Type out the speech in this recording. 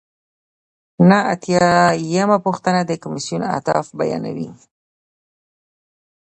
نهه اتیا یمه پوښتنه د کمیسیون اهداف بیانوي.